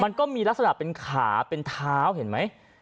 มันก็มีลักษณะเป็นขาเป็นเท้าเห็นไหม